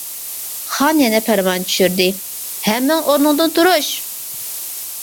خان يەنە پەرمان چۈشۈردى:-ھەممىڭ ئورنۇڭدىن تۇرۇش!